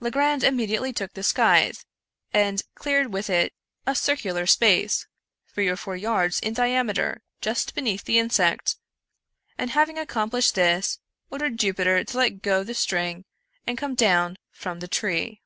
Legrand immediately took the sc}the, and cleared with it a circular space, three or four yards in diameter, just beneath the insect, and, ha ving accomplished this, or dered Jupiter to let go the string and come down from the tree.